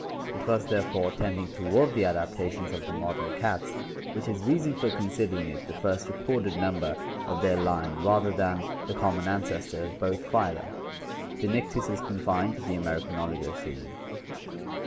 It was therefore tending toward the adaptations of the modern cats, which is reason for considering it the first recorded member of their line rather MODERNIZED MAMMALS AND CARNIVORES 571 than the common ancestor of both phyla. Dinictis is confined to the American Oligocene.